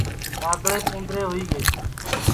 ڈؔاگݪیپ اُوندرے ہوئی گے